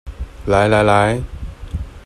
來來來